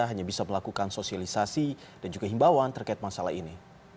hanya bisa melakukan sosialisasi dan juga himbauan terkait masalah ini